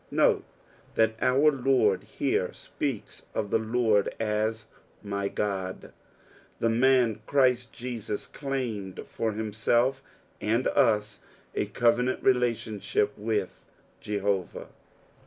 Note that our Lord here speaks of the Lord as " my God." The man Christ Jesus claimed for himself and us a covenant relntionship with Jehovah.